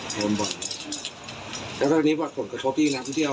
เพราะเราไม่ได้เป็นคนสามารถ